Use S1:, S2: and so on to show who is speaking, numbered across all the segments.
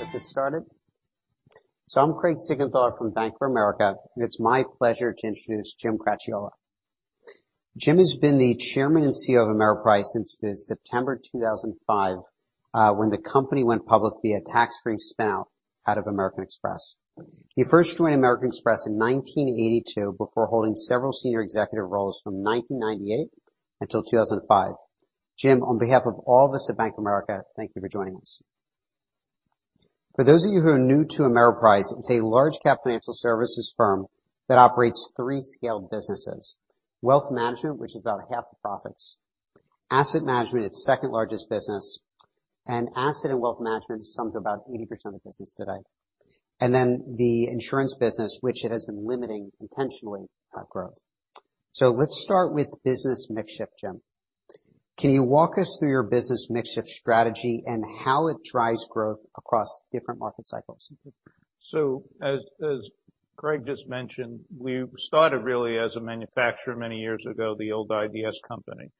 S1: Let's get started. I'm Craig Siegenthaler from Bank of America, and it's my pleasure to introduce Jim Cracchiolo. Jim has been the Chairman and CEO of Ameriprise since September 2005, when the company went public via tax-free spin-out out of American Express. He first joined American Express in 1982 before holding several senior executive roles from 1998 until 2005. Jim, on behalf of all of us at Bank of America, thank you for joining us. For those of you who are new to Ameriprise, it's a large cap financial services firm that operates three scaled businesses. Wealth management, which is about half the profits. Asset management, its second largest business. Asset and wealth management sum to about 80% of business today. The insurance business, which it has been limiting intentionally, growth. Let's start with business mix shift, Jim. Can you walk us through your business mix shift strategy and how it drives growth across different market cycles?
S2: As Craig just mentioned, we started really as a manufacturer many years ago, the old IDS company.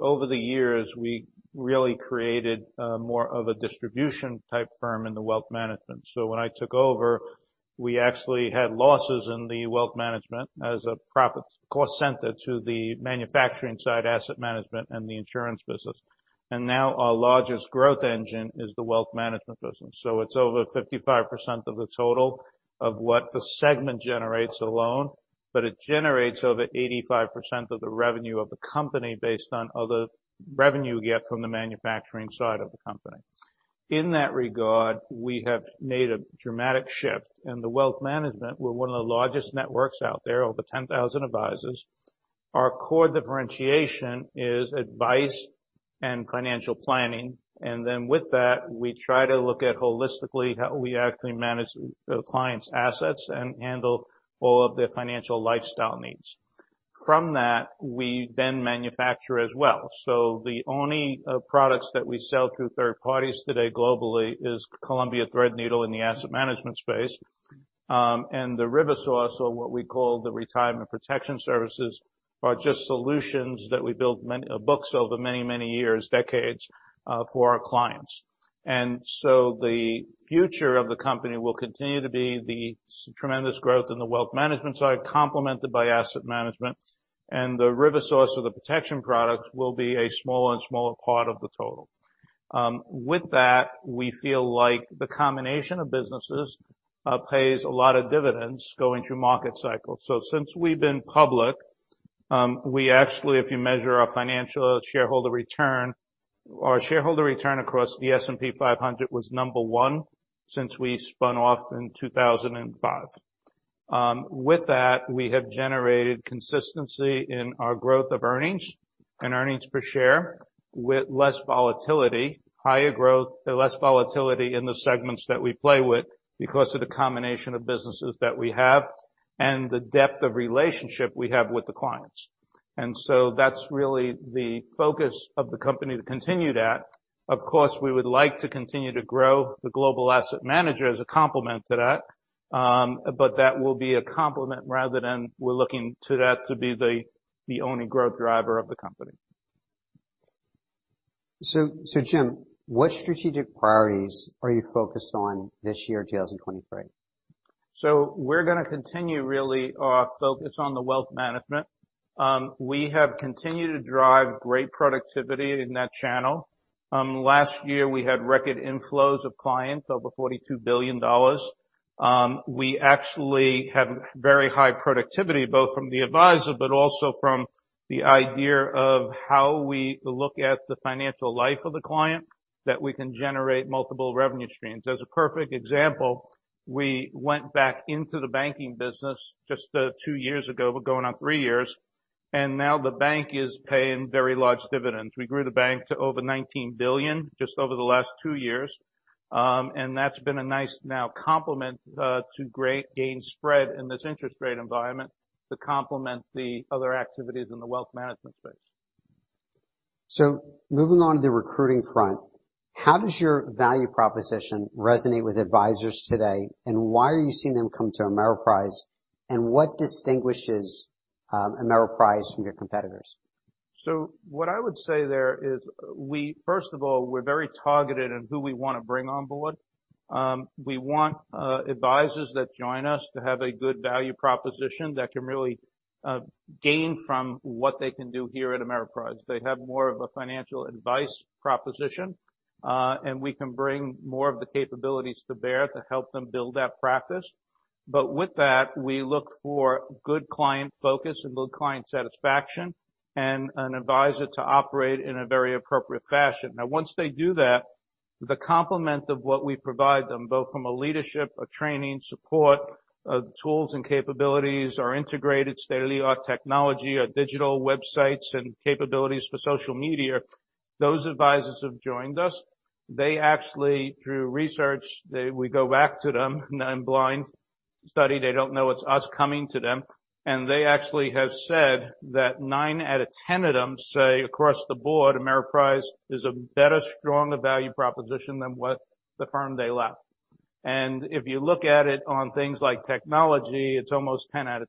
S2: Over the years, we really created more of a distribution type firm in the wealth management. When I took over, we actually had losses in the wealth management as a profit cost center to the manufacturing side, asset management and the insurance business. Now our largest growth engine is the wealth management business. It's over 55% of the total of what the segment generates alone. It generates over 85% of the revenue of the company based on other revenue we get from the manufacturing side of the company. In that regard, we have made a dramatic shift. In the wealth management, we're one of the largest networks out there, over 10,000 advisors. Our core differentiation is advice and financial planning. With that, we try to look at holistically how we actually manage the clients' assets and handle all of their financial lifestyle needs. From that, we then manufacture as well. The only products that we sell through third parties today globally is Columbia Threadneedle in the asset management space. The RiverSource or what we call the Retirement Protection Services are just solutions that we built books over many, many years, decades for our clients. The future of the company will continue to be the tremendous growth in the wealth management side, complemented by asset management. The RiverSource or the protection products will be a smaller and smaller part of the total. With that, we feel like the combination of businesses pays a lot of dividends going through market cycles. Since we've been public, we actually, if you measure our financial shareholder return, our shareholder return across the S&P 500 was number one since we spun off in 2005. With that, we have generated consistency in our growth of earnings and earnings per share with less volatility, higher growth, less volatility in the segments that we play with because of the combination of businesses that we have and the depth of relationship we have with the clients. That's really the focus of the company to continue that. Of course, we would like to continue to grow the global asset manager as a complement to that. That will be a complement rather than we're looking to that to be the only growth driver of the company.
S1: Jim, what strategic priorities are you focused on this year, 2023?
S2: We're gonna continue really our focus on the wealth management. We have continued to drive great productivity in that channel. Last year, we had record inflows of clients over $42 billion. We actually have very high productivity, both from the advisor, but also from the idea of how we look at the financial life of the client that we can generate multiple revenue streams. As a perfect example, we went back into the banking business just two years ago. We're going on three years, and now the bank is paying very large dividends. We grew the bank to over $19 billion just over the last two years. That's been a nice now complement to great gain spread in this interest rate environment to complement the other activities in the wealth management space.
S1: Moving on to the recruiting front, how does your value proposition resonate with advisors today, and why are you seeing them come to Ameriprise, and what distinguishes Ameriprise from your competitors?
S2: What I would say there is first of all, we're very targeted in who we wanna bring on board. We want advisors that join us to have a good value proposition that can really gain from what they can do here at Ameriprise. They have more of a financial advice proposition, and we can bring more of the capabilities to bear to help them build that practice. With that, we look for good client focus and good client satisfaction and an advisor to operate in a very appropriate fashion. Once they do that, the complement of what we provide them, both from a leadership, a training support, tools and capabilities, our integrated state-of-the-art technology, our digital websites and capabilities for social media, those advisors who've joined us, they actually, through research, we go back to them in a blind study. They don't know it's us coming to them. They actually have said that nine out of 10 of them say across the board, Ameriprise is a better, stronger value proposition than what the firm they left. If you look at it on things like technology, it's almost 10 out of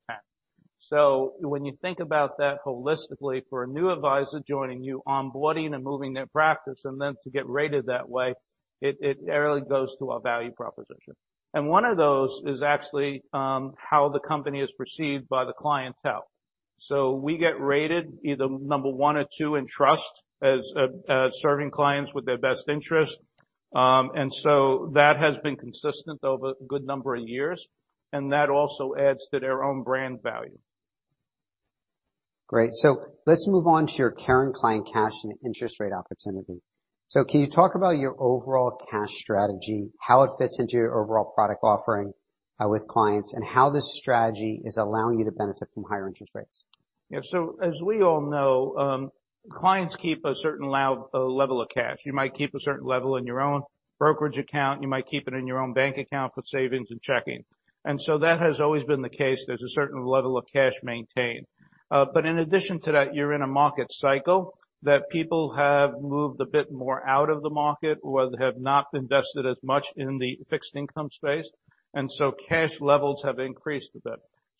S2: 10. When you think about that holistically for a new advisor joining you, onboarding and moving their practice, and then to get rated that way, it really goes to our value proposition. One of those is actually how the company is perceived by the clientele. We get rated either number one or two in trust as serving clients with their best interest. That has been consistent over a good number of years, and that also adds to their own brand value.
S1: Great. Let's move on to your current client cash and interest rate opportunity. Can you talk about your overall cash strategy, how it fits into your overall product offering, with clients, and how this strategy is allowing you to benefit from higher interest rates?
S2: Yeah. As we all know, clients keep a certain level of cash. You might keep a certain level in your own brokerage account, you might keep it in your own bank account for savings and checking. That has always been the case. There's a certain level of cash maintained. In addition to that, you're in a market cycle that people have moved a bit more out of the market or have not invested as much in the fixed income space. Cash levels have increased a bit.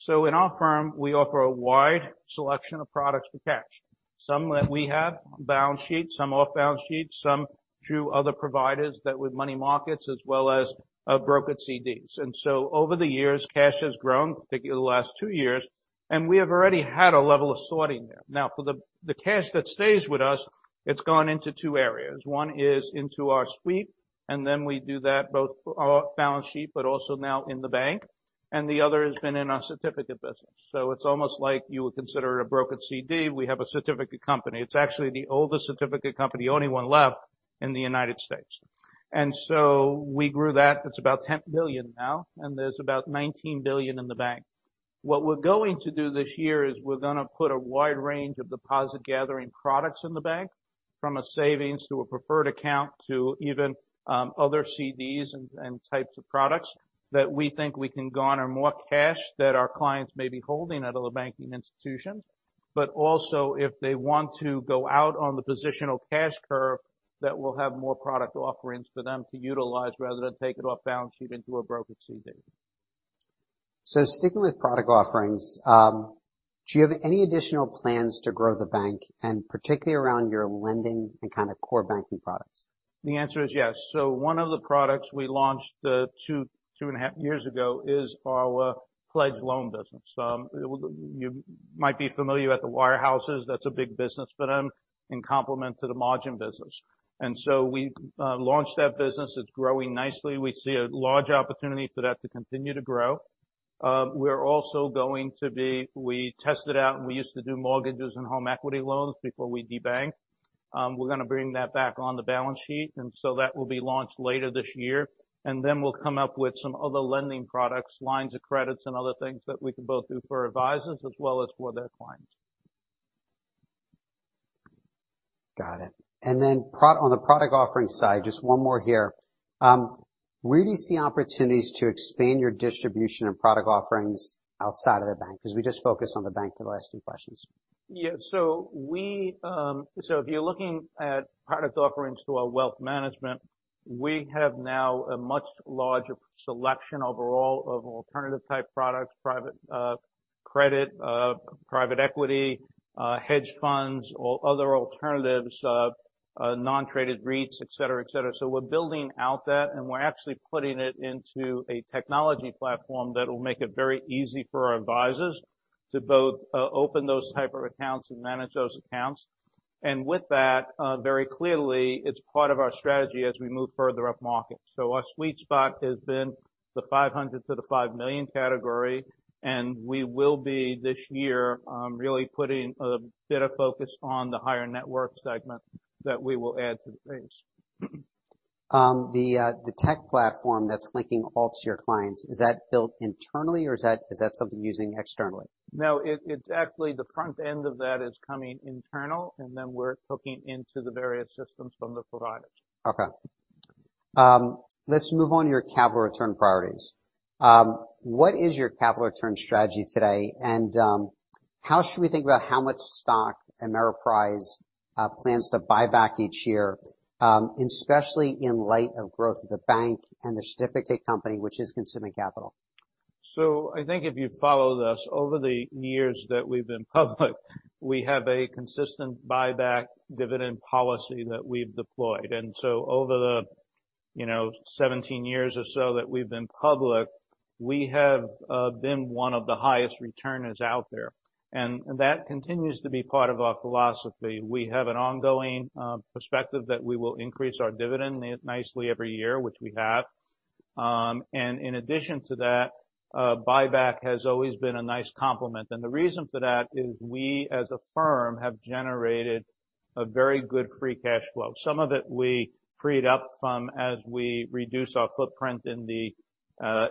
S2: In our firm, we offer a wide selection of products for cash. Some that we have on balance sheet, some off balance sheet, some through other providers that with money markets as well as brokered CDs. Over the years, cash has grown, particularly the last two years, and we have already had a level of sorting there. For the cash that stays with us, it's gone into two areas. One is into our sweep, and then we do that both off balance sheet, but also now in the bank. The other has been in our certificate business. It's almost like you would consider a brokered CD. We have a Certificate Company. It's actually the oldest Certificate Company, only one left in the United States. We grew that. It's about $10 billion now, and there's about $19 billion in the bank. What we're going to do this year is we're gonna put a wide range of deposit gathering products in the bank, from a savings to a preferred account to even, other CDs and types of products that we think we can garner more cash that our clients may be holding out of the banking institutions. Also, if they want to go out on the positional cash curve, that we'll have more product offerings for them to utilize rather than take it off balance sheet into a brokered CD.
S1: Sticking with product offerings, do you have any additional plans to grow the bank and particularly around your lending and kind of core banking products?
S2: The answer is yes. One of the products we launched two and a half years ago is our pledge loan business. You might be familiar at the warehouses. That's a big business for them in complement to the margin business. We launched that business. It's growing nicely. We see a large opportunity for that to continue to grow. We tested out and we used to do mortgages and home equity loans before we debanked. We're gonna bring that back on the balance sheet, and so that will be launched later this year. We'll come up with some other lending products, lines of credits, and other things that we can both do for advisors as well as for their clients.
S1: Got it. On the product offering side, just one more here. Where do you see opportunities to expand your distribution and product offerings outside of the bank? Because we just focused on the bank for the last two questions.
S2: Yeah. If you're looking at product offerings to our wealth management, we have now a much larger selection overall of alternative type products, private credit, private equity, hedge funds or other alternatives, non-traded REITs, et cetera, et cetera. We're building out that, and we're actually putting it into a technology platform that will make it very easy for our advisors to both open those type of accounts and manage those accounts. With that, very clearly it's part of our strategy as we move further up market. Our sweet spot has been the 500 to the $5 million category, we will be this year really putting a bit of focus on the higher network segment that we will add to the base.
S1: The tech platform that's linking all to your clients, is that built internally or is that something using externally?
S2: No, it's actually the front end of that is coming internal, and then we're hooking into the various systems from the providers.
S1: Okay. Let's move on to your capital return priorities. What is your capital return strategy today? How should we think about how much stock Ameriprise plans to buy back each year, especially in light of growth of the bank and the Certificate Company which is consuming capital?
S2: I think if you follow this, over the years that we've been public, we have a consistent buyback dividend policy that we've deployed. Over the, you know, 17 years or so that we've been public, we have been one of the highest returners out there. That continues to be part of our philosophy. We have an ongoing perspective that we will increase our dividend nicely every year, which we have. In addition to that, buyback has always been a nice complement. The reason for that is we as a firm have generated a very good free cash flow. Some of it we freed up from as we reduce our footprint in the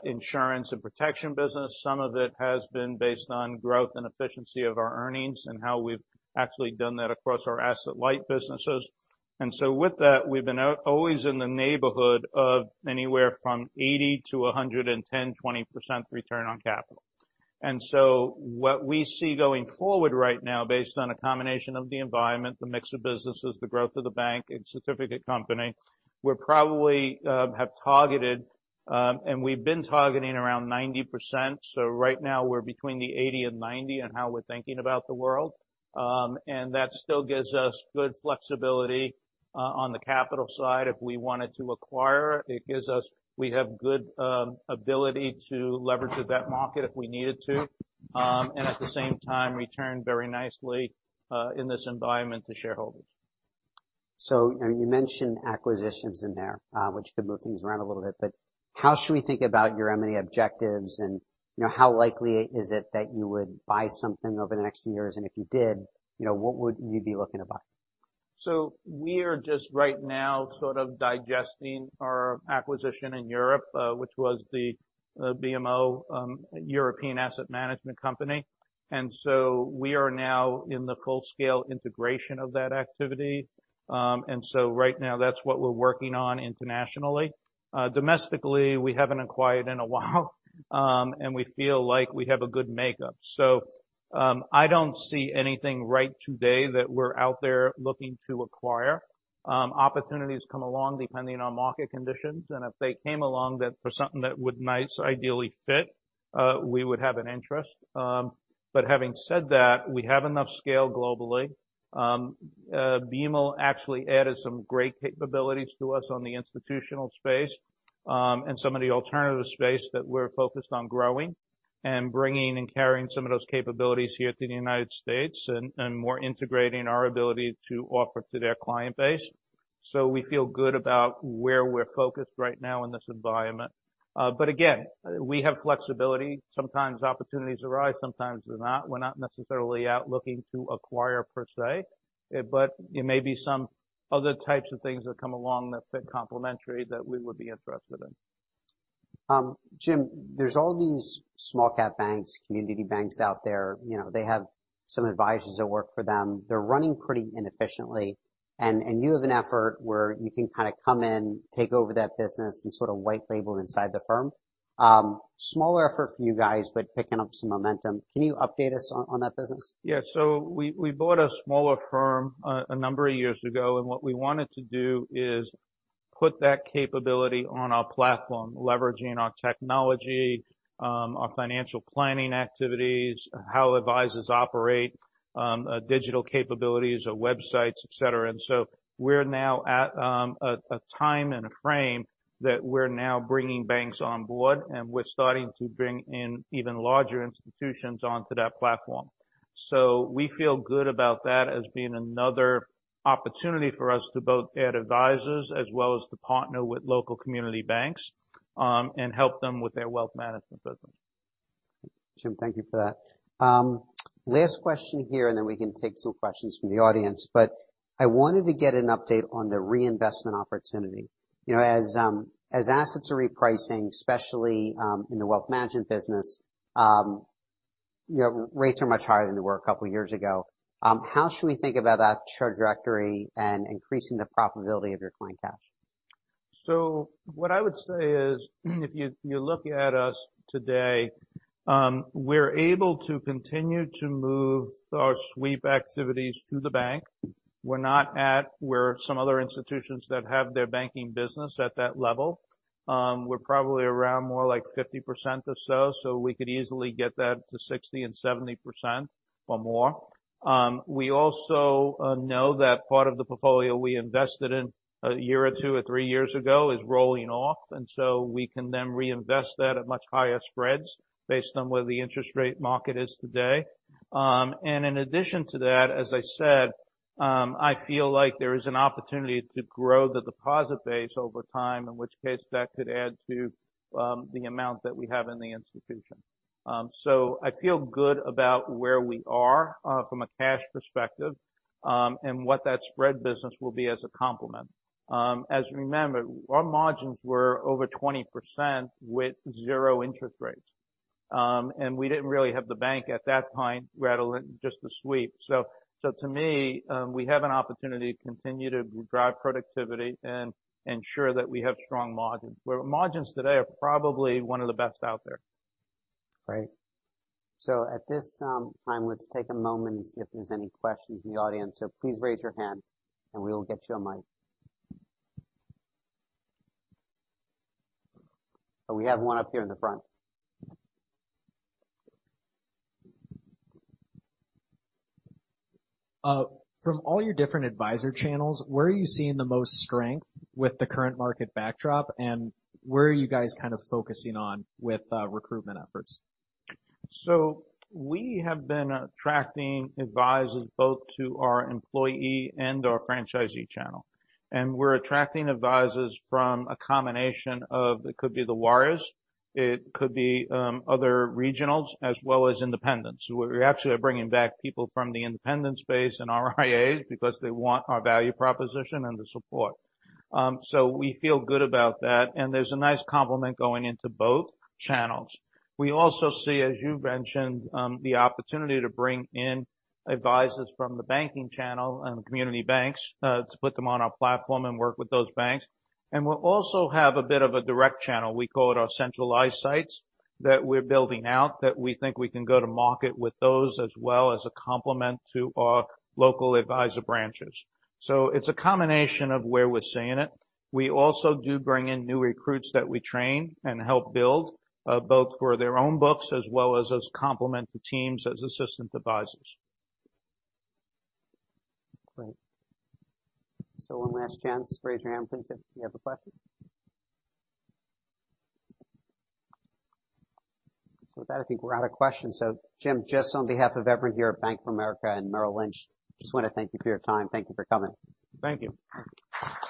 S2: insurance and protection business. Some of it has been based on growth and efficiency of our earnings and how we've actually done that across our asset light businesses. With that, we've been out always in the neighborhood of anywhere from 80 to 110, 20% return on capital. What we see going forward right now based on a combination of the environment, the mix of businesses, the growth of the bank and Certificate Company, we probably have targeted, and we've been targeting around 90%. Right now we're between the 80 and 90 on how we're thinking about the world. That still gives us good flexibility, on the capital side if we wanted to acquire. We have good ability to leverage the debt market if we needed to, and at the same time return very nicely in this environment to shareholders.
S1: You mentioned acquisitions in there, which could move things around a little bit, but how should we think about your M&A objectives and, you know, how likely is it that you would buy something over the next few years? If you did, you know, what would you be looking to buy?
S2: We are just right now sort of digesting our acquisition in Europe, which was the BMO European Asset Management Company. We are now in the full scale integration of that activity. Right now that's what we're working on internationally. Domestically, we haven't acquired in a while, and we feel like we have a good makeup. I don't see anything right today that we're out there looking to acquire. Opportunities come along depending on market conditions, and if they came along that for something that would nice ideally fit, we would have an interest. Having said that, we have enough scale globally. BMO actually added some great capabilities to us on the institutional space, and some of the alternative space that we're focused on growing and bringing and carrying some of those capabilities here to the United States and more integrating our ability to offer to their client base. We feel good about where we're focused right now in this environment. Again, we have flexibility. Sometimes opportunities arise, sometimes they're not. We're not necessarily out looking to acquire per se, but there may be some other types of things that come along that fit complementary that we would be interested in.
S1: Jim, there's all these small cap banks, community banks out there, you know, they have some advisors that work for them. They're running pretty inefficiently. You have an effort where you can kind of come in, take over that business and sort of white label inside the firm. Smaller effort for you guys, but picking up some momentum. Can you update us on that business?
S2: We bought a smaller firm a number of years ago, and what we wanted to do is put that capability on our platform, leveraging our technology, our financial planning activities, how advisors operate, digital capabilities or websites, et cetera. We're now at a time and a frame that we're now bringing banks on board, and we're starting to bring in even larger institutions onto that platform. We feel good about that as being another opportunity for us to both add advisors as well as to partner with local community banks, and help them with their wealth management business.
S1: Jim, thank you for that. Last question here, then we can take some questions from the audience. I wanted to get an update on the reinvestment opportunity. You know, as assets are repricing, especially, in the wealth management business, you know, rates are much higher than they were a couple of years ago. How should we think about that trajectory and increasing the profitability of your client cash?
S2: What I would say is if you look at us today, we're able to continue to move our sweep activities to the bank. We're not at where some other institutions that have their banking business at that level. We're probably around more like 50% or so we could easily get that to 60% and 70% or more. We also know that part of the portfolio we invested in one year or two or three years ago is rolling off, and so we can then reinvest that at much higher spreads based on where the interest rate market is today. In addition to that, as I said, I feel like there is an opportunity to grow the deposit base over time, in which case that could add to the amount that we have in the institution. I feel good about where we are from a cash perspective, and what that spread business will be as a complement. As you remember, our margins were over 20% with zero interest rates. And we didn't really have the bank at that time rattling just the sweep. To me, we have an opportunity to continue to drive productivity and ensure that we have strong margins, where margins today are probably one of the best out there.
S1: Great. At this, time, let's take a moment and see if there's any questions in the audience. Please raise your hand, and we will get you a mic. We have one up here in the front.
S3: From all your different advisor channels, where are you seeing the most strength with the current market backdrop, and where are you guys kind of focusing on with recruitment efforts?
S2: We have been attracting advisors both to our employee and our franchisee channel. We're attracting advisors from a combination of it could be the wires, it could be, other regionals, as well as independents. We're actually bringing back people from the independent space and RIAs because they want our value proposition and the support. We feel good about that, and there's a nice complement going into both channels. We also see, as you mentioned, the opportunity to bring in advisors from the banking channel and community banks, to put them on our platform and work with those banks. We also have a bit of a direct channel. We call it our centralized sites that we're building out that we think we can go to market with those as well as a complement to our local advisor branches. It's a combination of where we're seeing it. We also do bring in new recruits that we train and help build, both for their own books as well as complement to teams as assistant advisors.
S1: Great. One last chance. Raise your hand, please, if you have a question. With that, I think we're out of questions. Jim, just on behalf of everyone here at Bank of America and Merrill Lynch, just want to thank you for your time. Thank you for coming.
S2: Thank you.